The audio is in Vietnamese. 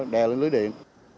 đè lên lưới điện